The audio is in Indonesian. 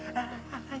oke baik baik aja